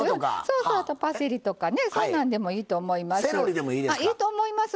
あとパセリとか、そんなんでもいいと思いますよ。